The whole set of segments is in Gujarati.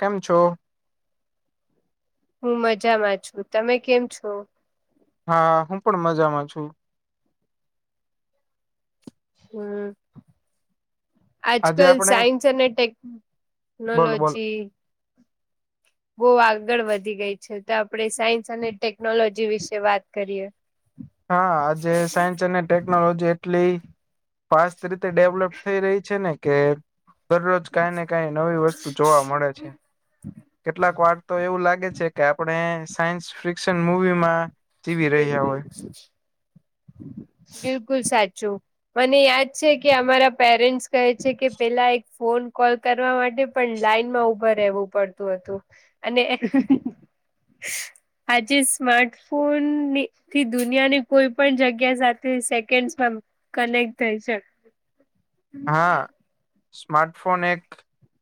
કેમ છો? હું મજામાં છું, તમે કેમ છો? હા, હું પણ મજામાં છું. હમ. આજે આજકલ આપણે સાયન્સ અને બોલો બોલો ટેકટેનોલોજી. [unintelligible] બહુ આગળ વધી ગઈ છે, તો આપણે સાયન્સ અને ટેકનોલોજી વિશે વાત કરીએ. સાયન્સ અને ટેક ટેકનોલોજી એટલી ફાસ્ટ રીતે ડેવલપ થઈ રહી છે ને કે. દરરોજ કઈ ને, કઈ નવી વસ્તુ જોવા મળે છે. હમ. કેટલાક વાર તો એવું લાગે છે કે, આપણે સાયન્સ ફિક્શન મુવીમાં જીવી એ. રહ્યા હોય. [unintelligible] [inaudible] બિલકુલ, સાચું. મને યાદ છે કે, અમારા પેરેન્ટસ કહે છે કે, પેલા એક ફોન કોલ કરવા માટે પણ લાઈન માં ઉભા રહેવું પડતું હતું, અને આજે સ્માટ ફોન ની થી દુનિયાની કોઈ પણ જગ્યા સાથે સેકન્ડ કનેક્ટ થાય શ હા, સ્માર્ટફોન એક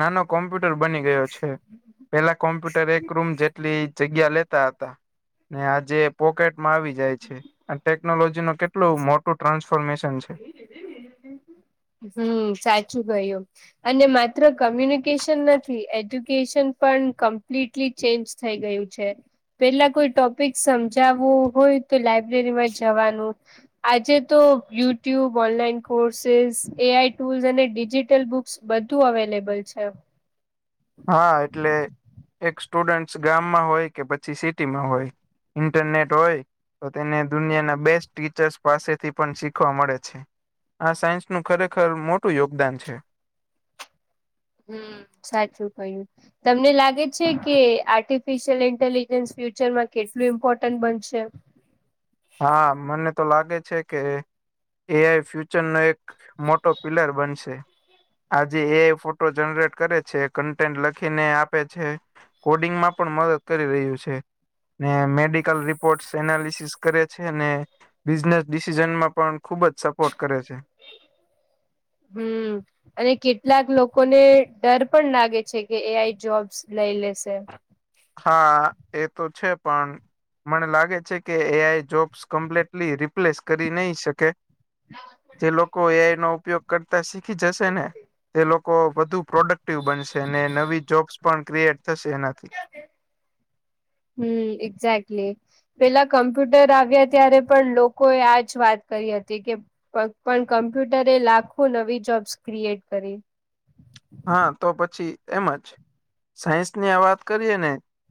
નાનો કોમ્પ્યુટર બની ગયો છે, પેલા કોમ્પ્યુટર એક રૂમ જેટલી જગ્યા લેતા હતા ને, આજે પોકેટમાં આવી જાય છે, અને ટેકનોલોજી નો કેટલો કેટલું મોટું ટ્રાન્સફોર્મેશન છે. હમ્મ, સાચું કર્યું. અને માત્ર કમ્યુનિકેશન નથી, એજ્યુકેશન પણ કમ્પ્લીટ કેટલી ચેન્જ થઈ ગયું છે. પેલા કોઈ ટોપિક સમજાવવું હોય તો, લાઈબ્રેરીમાં જવાનું. આજે તો યુ ટ્યુબ ઓનલાઈન કોર્સ એ, પ્રમાણે આઈ ટુલ્સ અને ડિજીિટલ બુક્સ બધું અવેલેબલ છે. હા, એટલે એક સ્ટુડન્ટ ગામમાં હોય કે, પછી સિટીમાં હોય. ઇન્ટરનેટ હોય. તો તેને દુનિયાના બેસ્ટ ટીચર્સ પાસેથી પણ શીખવા મળે છે. આ સાયન્સ નું ખરેખર મોટું યોગદાન છે. હમ્મ, સાચું કહું. તમને લાગે છે કે, આર્ટિફિશિયલ ઇન્ટેલિજન્સ ફ્યુચરમાં કેટલું ઇમ્પોર્ટન્ટ બનશે. હા, મને તો લાગે છે કે, એ આઈ ફ્યુચરનો એક મોટો પિલર બનશે. આજે એ ફોટો જનરેટ કરે છે, કન્ટેન્ટ લખીને આપે છે. કોડિંગમાં પણ કરી રહ્યું છે, મેડિકલ રિપોર્ટ, એનાલિસિસ કરે છે, અને બિઝનેસ ડિસિઝનમાં પણ ખુબ જ સપોર્ટ કરે છે. હમ્મ. અને કેટલાક લોકોને ડર પણ લાગે છે કે, એ આઈ જોબ્સ લઈ લેશે. હા, છે પણ. મને લાગે છે કે, એ આઈ જોબ્સ કમ્પ્લીટલી રિપ્લેસ કરી નહી શકે. જે લોકો એ આઈ નુ ઉપયોગ કરતા શીખ ખી જશે ને, એ લોકો વધુ પ્રોડક્ટિવ બનશે ને, નવી જોબ્સ પણ ક્રિએટ થશે એનાથી. હમ એક્ઝેક્ટલી. પેલા કમ્પ્યુટર આવ્યા ત્યારે પણ લોકોએ આજ વાત કરી હતી કે પણ કમ્પ્યુટરે લાખો નવી જોબ્સ ક્રિએટ કરી. હા તો પછી એમ જ સાયન્સ ની આ વાત કરીએ ને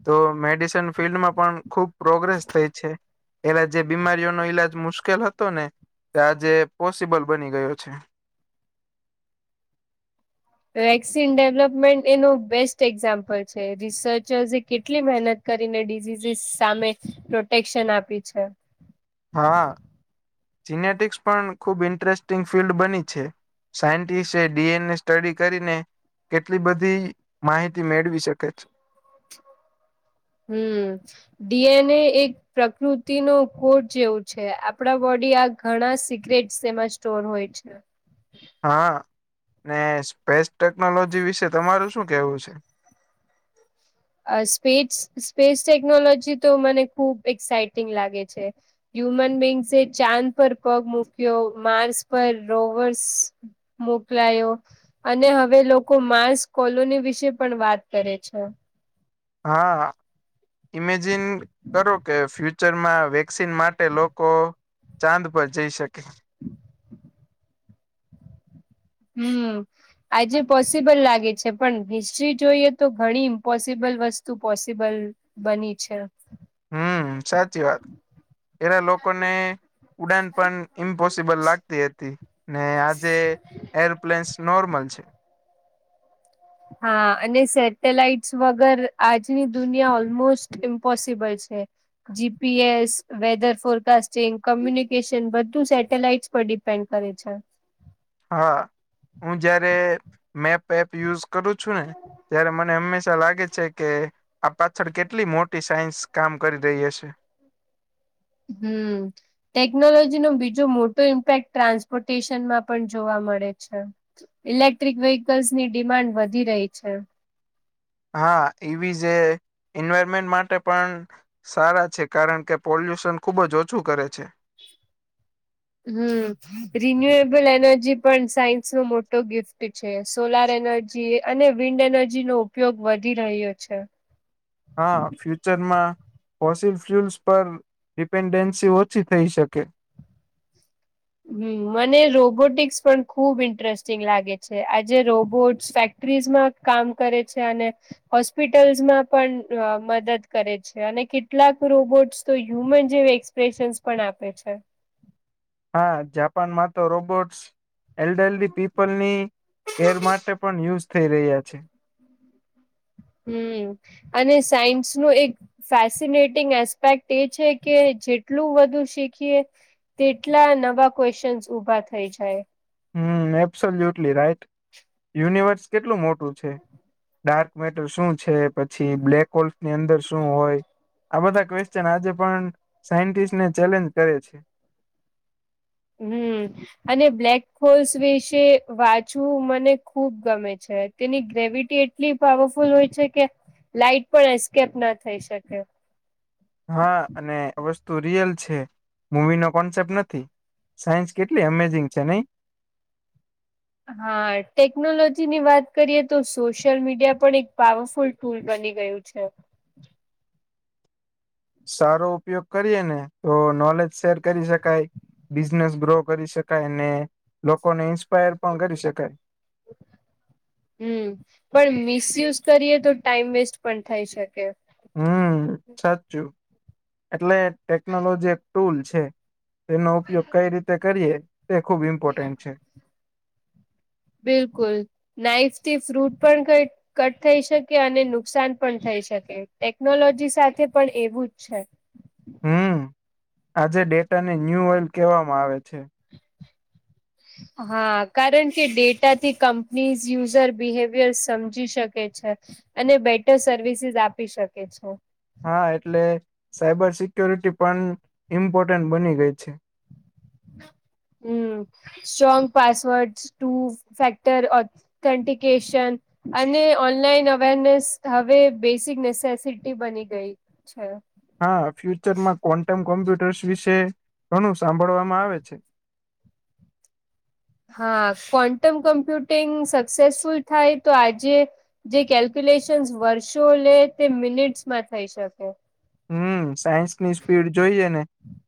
તો મેડિસન ફિલ્ડમાં પણ ખુબ પ્રોગ્રેસ થઈ છે. પેલા જે બીમારીઓનો ઈલાજ મુશ્કેલ હતો ને, તે આજે પોસિબલ બની ગયો છે. વેક્સિન ડેવલપમેન્ટ એનો બેસ્ટ એક્ઝામ્પલ છે રિસર્ચર્સ કેટલી મહેનત કરીને ડિઝઝસ સામે પ્રોટેક્શન આપી છે. હા જીનેટિક્સ પણ ખુબ ઇન્ટરેસ્ટિંગ ફિલ્ડ બની છે. સાયન્ટિસ્ટ એ ડીએનએ સ્ટડી કરીને. કેટલી બધી માહિતી મેળવી શકે છે. હમ ડી એન એ એક પ્રકૃતિનુ કોટ જેવું છે. આપણા બોડી આ ઘણા સિગરેટસ તેમાં સ્ટોર હોય છે. હા, ને સ્પેસ ટેકનોલોજી વિશે તમારું શું કેવું છે? અ, સ્પેસ સ્પેસ ટેકનોલોજી તો મને ખૂબ એક્સાઇટિંગ લાગે છે. હ્યુમન બીંગ્સે ચાંદ પર પગ મૂક્યો, માર્સ પર રોવર્સ મોકલાયો. અને હવે લોકો માર્સ કોલોની વિશે પણ વાત કરે છે. હા, હા. ઈમેજિન કરો કે ફ્યુચરમાં વેક્સિન માટે લોકો ચાંદ પર જઈ શકે. હમ. આજે પોસિબલ લાગે છે પણ હિસ્ટ્રી જોઈએ તો ઘણી ઇમ્પોસિબલ વસ્તુ પોસિબલ બની છે. હમ, સાચી વાત. પેલા લોકોને ઉડાન પણ ઇમ્પોસિબલ લાગતી હતી. ને આજે એરોપ્લેન્સ નોર્મલ છે. હા, અને સેટેલાઈટ્સ વગર આજની દુનિયા ઓલમોસ્ટ ઇમ્પોસિબલ છે. જીપીએસ, વેધર ફોરકાસ્ટિંગ, કોમ્યુનિકેશન બધું સેટેલાઈટ ઉપર ડિપેન્ડ કરે છે. હા, હું જયારે મેપ એપ યુઝ કરું છું ને, ત્યારે મને હંમેશા લાગે છે કે આ પાછળ કેટલી મોટી સાયન્સ કામ કરી રહી હશે. હમ્મ. ટેકનોલોજી નો બીજો મોટો ઇમ્પેક્ટ ટ્રાન્સપોર્ટેશનમાં પણ જોવા મળે છે. ઇલેક્ટ્રિક વેહકલ્સની ડિમાન્ડ વધી રહી છે. હા, એવી જે એન્વાયરમેન્ટ માટે પણ સારા છે. કારણ કે, પોલ્યુશન ખુબ જ ઓછું કરે છે. હમ. રિન્યુએબલ એનર્જી પણ સાયન્સ નો મોટો ગિફ્ટ છે. સોલાર એનર્ જી અને વિન્ડનોર્જીનો ઉપયોગ વધી રહ્યો છે. હા, ફ્યુચરમાં ફોસિલ ફ્યુલ્સ પર ડિપેન્ડન્સી ઓછી થઈ શકે. હમ, મને રોબોટિક્સ પણ ખુબ ઇન્ટરેસ્ટિંગ લાગે છે. આજે રોબોટ્સ ફેક ટ્રીઝમાં કામ કરે છે અને હોસ્પિટલ્ઝમાં પણ અ મદદ કરે છે અને કેટલાક રોબોટ્સ તો હ્યુમન જે એક્સ પ્રેશન્સ પણ આપે છે. હા, જાપાનમાં તો રોબોટ્સ એલ્ડરલ્ડી પીપલની કેર માટે પણ યુઝ થઈ રહ્યા છે. હમ્મ, અને સાયન્સનું એક ફેસિનેટિંગ એસ્પેક્ટ એ છે કે જેટલું વધુ શીખીએ તેટલા નવા ક્વેસચન્સ ઉભા થઈ જાય. હમ્મ, એબ્સોલ્યુટલી રાઈટ યુનિવર્સ કેટલું મોટું છે. ડાર્ક મેટર શું છે. પછી બ્લેક હોલ્ફની અંદર શું હોય આ બધાં ક્વેશ્ચન આજે પણ સાયન્ટિસ્ટને ચેલેન્જ કરે છે. હમ. અને બ્લેક હોલ્સ વિશે વાચવું મને ખુબ ગમે છે. તેની ગ્રેવિટી એટલી પાવરફુલ હોય છે કે લાઈટ પણ એસ્કેપ ના થઈ શકે. હા, અને વસ્તુ રીયલ છે. મુવીનો કોન્સેપ્ટ નથી. સાયન્સ કેટલી અમેઝિંગ છે નહી! હા ટેકનોલોજી ની વાત કરીએ તો સોશિયલ મીડિયા પણ એક પાવરફુલ ફુલ બની ગયું છે. સારો ઉપયોગ કરીએ ને તો નોલેજ શેર કરી શકાય. બિઝનેસ ગ્રો કરી શકાય અને લોકોને ઇન્સ્પાયર પણ કરી શકાય. હમ પણ મિસયુઝ કરીએ તો ટાઈમ વેસ્ટ પણ થઈ શકે. હમ સાચું એટલે ટેકનોલોજી એક ટુલ છે. તેનો ઉપયોગ કઈ રીતે કરીએ તે ખુબ ઇમ્પોર્ટન્ટ છે. બિલકુલ નાઈફથી ફ્રૂટ પણ કઈક કટ થઈ શકે અને નુકસાન પણ થઈ શકે. ટેકનોલોજી સાથે પણ એવું જ છે. હમ આજે ડેટાને ન્યૂ ઓઇલ કહેવામાં આવે છે. હા કારણ કે ડેટાથી કંપનીઝ યુઝર બિહેવિયર સમજી શકે છે. અને બેટર સર્વિસીસ આપી શકે છે. હા એટલે સાયબર સિક્યોરિટી પણ ઇમ્પોર્ટન્ટ બની ગઈ છે. હમ strong password two factor authentication અને ઓનલાઈન અવેરનેસ હવે બેસિક નેસેસિટી બની ગઈ છે. હા ફ્યુચરમાં ક્વન્ટમ કોમ્પ્યુટર્સ વિશે ઘણું સાંભળવામાં આવે છે. હા કોન્ટમ કમ્પ્યુટિંગ સક્સેસફુલ થાય તો આજે જે કેલ્ક્યુલેશન્સ વર્ષો લે તે મિનિટ્સમાં થઈ શકે. હમ સાયન્સ ની સ્પીડ જોઈએ ને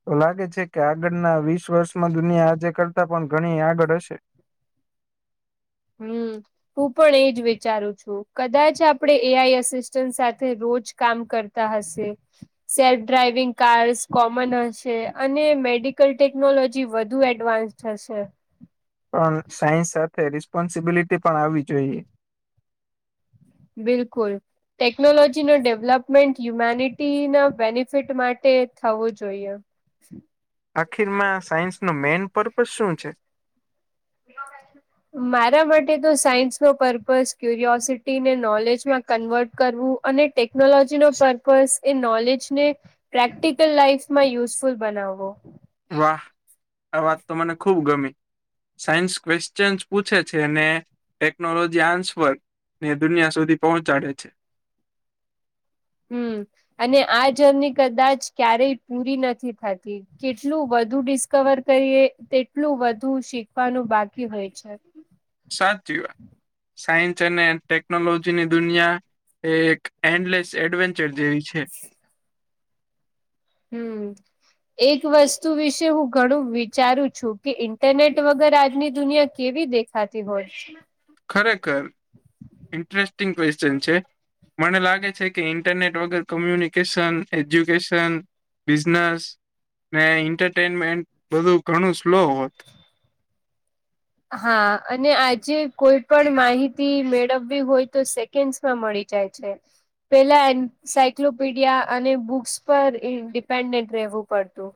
તો લાગે છે કે આગળના વીસ વર્ષમાં દુનિયા આજે કરતાં પણ ઘણી આગળ હશે. હમ. હું પણ એજ વિચારું છું કદાચ આપડે એ આઈ અસિસ્ટન્ટ સાથે રોજ કામ કર તા હશે. સેલ્ફ ડ્રાઈવિંગ કાર્સ કોમન હશે અને મેડિકલ ટેકનોલોજી વધુ એડવાન્સ થશે. પણ સાયન્સ સાથે રિસ્પોન્સિબિલિટી પણ આવવી જોઈએ. બિલકુલ. ટેકનોલોજી નુ ડેવલપમેન્ટ, હ્યુમેનિટીના બેનિફિટ માટે થવું જોઈએ. આખીરમાં સાયન્સ નો મેન પર્પઝ શું છે? [unintelligible] મારા માટે તો સાયન્સ નો પર્પઝ ક્યુરિયોસિટી ને, નોલેજમાં કન્વર્ટ કરવું. અને ટેકનોલોજી નો પર્પઝ એ નોલેજને પ્રેક્ટિકલ લાઈફમાં યુઝફુલ બનાવવો. વાહ, આ વાત તો મને ખુબ ગમે. સાયન્સ ક્વેશ્ચનસ પૂછે છે ને, ટેકનોલોજી આન્સર. ને દુનિયા સુધી પહોંચાડે છે. હમ, અને આ જર્ની કદાચ ક્યારેય પૂરી નથી થતી. કેટલું વધુ ડિસ્કવર કરીએ, તેટલું વધુ શીખવાનું બાકી હોય છે. સાચી વાત, સાયન્સ અને ટેકનોલોજીની દુનિયા એ એન્ડલેસ એડવેન્ચર જેવી છે. હમ. એક વસ્તુ વિશે હું ઘણું વિચારું છું કે, ઇન્ટરનેટ વગર આજની દુનિયા કેવી દેખ થતી હોય. ખરેખર ઇન્ટરેસ્ટિંગ ક્વેશ્ચન છે. મને લાગે કે, ઇન્ટરનેટ વગર કોમ્યુનિકેશન એજ્યુકેશન બિઝનેસ ને, એન્ટરટેનમેન્ટ બધું ઘણું સ્લો હોત. હા, અને આજે કોઈ પણ માહિતી મેળવવી હોય તો માં મળી જાય છે. પેલા એન્સાાયક્લોપીડિયા અને બુક્સ પર ડિપેન્ડન્ટ રહેેવું પડતું.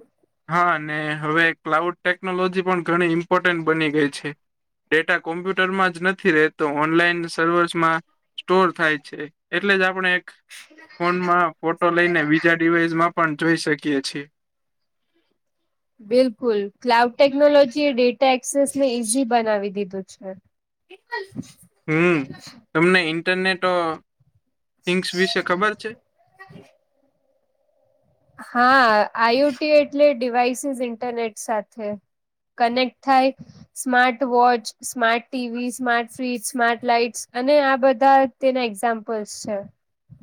હા, હવે ક્લાઉડ પણ ઘણી ઇમ્પોર્ટન્ટ બની ગઈ. ડેટા કોમ્પ્યુટરમાં જ નથી રહેતો, ઓનલાઈન સર્વર્સમાં. સ્ટોર થાય છે, એટલે જ આપણે એક ફોનમાં ફોટો લઈને, બીજા ડિવાઈસમાં પણ જોઈ શકીએ છીએ. બિલકુલ, ક્લાઉડ ટેકનોલોજી એ ડેટા એક્સેસ ને ઈઝી બનાવી દીધું છે. એ [unintelligible] હમ, તમને ઇન્ટરનેટ થિંગસ વિશે ખબર છે. હા, આઈઓટી એટલે ડિવાઈસીસ ઇન્ટરનેટ સાથે કનેક્ટ થાય. Smart watch, smart TV, smart fridge, smart lights અને આ બધા તેના [unintelligible]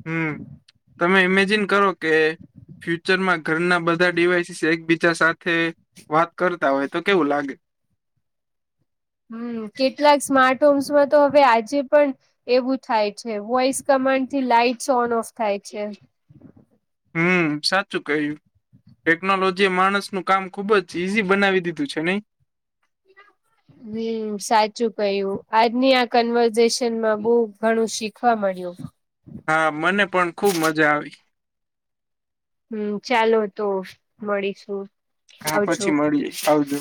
હમ, તમે ઇમેજિન કરો કે ફ્યુચરમાં ઘરના બધા ડિવાઈસીસ એકબીજા સાથે વાત કરતા હોય તો, કેવું લાગે? હમ, કેટલાક સ્માર્ટ હોમ્સમાં તો, હવે આજે પણ એવું થાય છે, વોઈસ કમાન્ડ થી લાઈટસ ઓન ઓફ થાય છે. હમ, સાચું કહ્યું, ટેકનોલોજી એ માણસ નું કામ ખુબ જ ચીઝી બનાવી દીધું છે નઈ. હમ, સાચું ક્યું, આજની આ કન્વર્ઝેશનમાં બહુ ઘણું શીખવા મળ્યું. હા, મને પણ ખુબ મજા આવી. હમ, ચાલો તો મળીશું. હા, પછી આવજો. મળીએ આવજો.